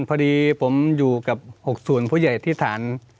พอดีผมอยู่กับ๖๐พยที่ฐาน